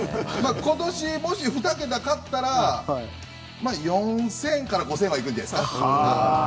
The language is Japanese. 今年、もし２桁勝ったら４０００から５０００はいくんじゃないですかね。